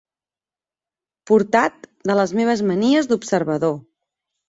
Portat de les meves manies d'observador